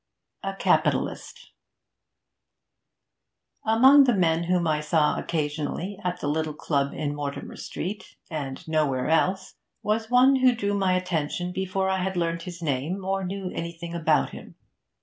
A CAPITALIST Among the men whom I saw occasionally at the little club in Mortimer Street, and nowhere else, was one who drew my attention before I had learnt his name or knew anything about him.